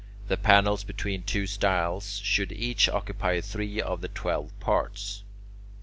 The panels between two stiles should each occupy three of the twelve parts.